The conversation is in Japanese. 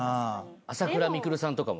朝倉未来さんとかも。